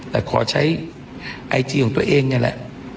แต่ขอใช้ไอจีของตัวเองนี่แหละ